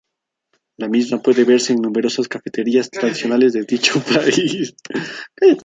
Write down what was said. La misma puede verse en numerosas cafeterías tradicionales de dicho país.